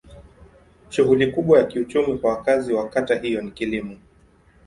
Shughuli kubwa ya kiuchumi kwa wakazi wa kata hiyo ni kilimo.